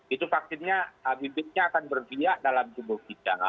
itu vaksinnya bibitnya akan berbiak dalam tubuh kita